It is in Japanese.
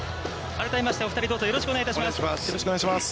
改めましてお二人、よろしくお願いします。